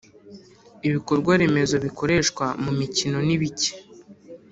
Ibikorwa remezo bikoreshwa mu mikino ni bike